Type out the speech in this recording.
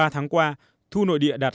ba tháng qua thu nội địa đạt